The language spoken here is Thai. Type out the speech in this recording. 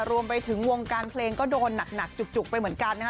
รวมไปถึงวงการเพลงก็โดนหนักจุกไปเหมือนกันนะฮะ